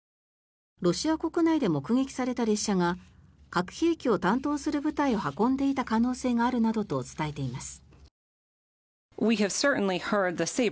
ロシア国内で目撃された列車が核兵器を担当する部隊を運んでいた可能性があるなどと伝えています。